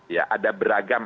ya ada beragam